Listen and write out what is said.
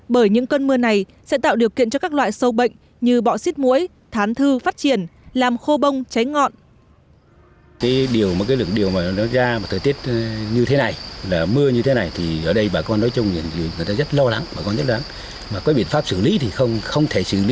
bởi những cơn mưa này sẽ tạo điều kiện cho các loại sâu bệnh như bọ xít mũi thán thư phát triển làm khô bông cháy ngọn